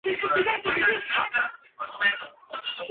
El libro fue galardonado con el premio Fernão Mendes Pinto.